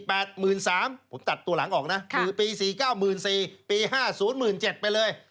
ผมตัดตัวหลังออกนะคือปี๔๙๔ปี๕๐๗ไปเลย